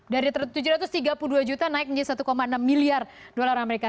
dari tujuh ratus tiga puluh dua juta naik menjadi satu enam miliar dolar amerika